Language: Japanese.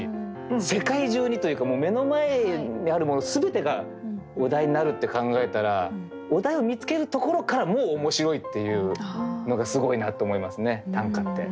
世界中にというか目の前にあるもの全てがお題になるって考えたらお題を見つけるところからもう面白いっていうのがすごいなって思いますね短歌って。